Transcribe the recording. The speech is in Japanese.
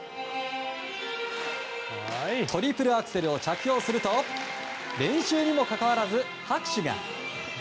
トリプルアクセルを着氷すると練習にもかかわらず拍手が。